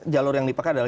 jalur yang dipakai adalah